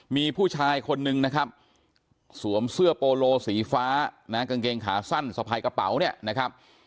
มีผู้ชายคนนึงนะครับสวมเสื้อโปโลสีฟ้านะกางเกงขาสั้นสะพายกระเป๋าเนี่ยนะครับ